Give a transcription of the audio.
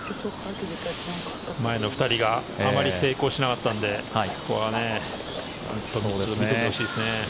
前の２人があまり成功しなかったのでここは見せてほしいですね。